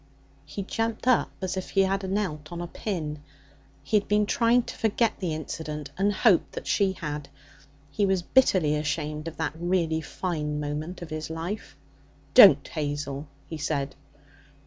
He jumped up as if he had knelt on a pin. He had been trying to forget the incident, and hoped that she had. He was bitterly ashamed of that really fine moment of his life. 'Don't Hazel!' he said.